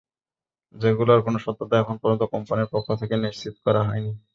যেগুলোর কোনো সত্যতা এখন পর্যন্ত কোম্পানির পক্ষ থেকে নিশ্চিত করা হয়নি।